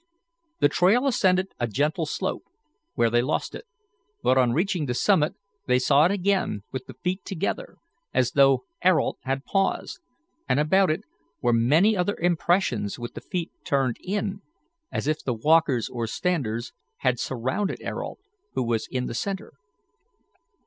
The trail ascended a gentle slope, where they lost it; but on reaching the summit they saw it again with the feet together, as though Ayrault had paused, and about it were many other impressions with the feet turned in, as if the walkers or standers had surrounded Ayrault, who was in the centre.